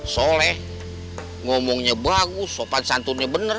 soleh ngomongnya bagus sopan santurnya bener